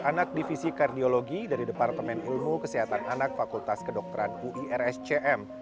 anak divisi kardiologi dari departemen ilmu kesehatan anak fakultas kedokteran uirscm